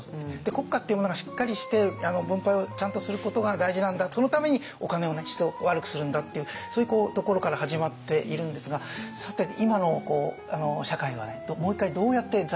国家っていうものがしっかりして分配をちゃんとすることが大事なんだそのためにお金をね質を悪くするんだっていうそういうところから始まっているんですがさて今の社会はもう一回どうやって財政の問題に取り組むか。